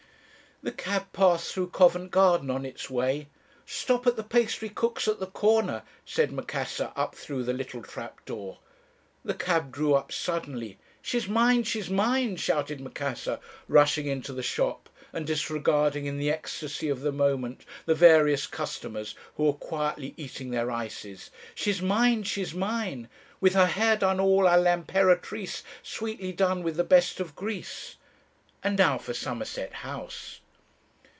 "The cab passed through Covent Garden on its way. 'Stop at the pastry cook's at the corner,' said Macassar up through the little trap door. The cab drew up suddenly. 'She's mine, she's mine!' shouted Macassar, rushing into the shop, and disregarding in the ecstasy of the moment the various customers who were quietly eating their ices. 'She's mine, she's mine! With her hair done all á l'impératrice, Sweetly done with the best of grease. And now for Somerset House.'